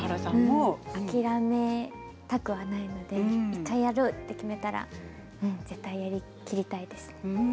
諦めたくはないので１回やろうと決めたら絶対やりきりたいです。